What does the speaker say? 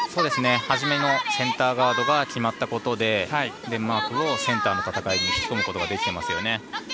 初めのセンターガードが決まったことでデンマークをセンターの戦いに引き込むことができていますね。